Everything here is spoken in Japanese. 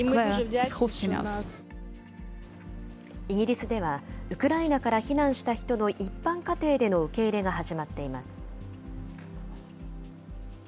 イギリスでは、ウクライナから避難した人の一般家庭での受け入れが始まっています。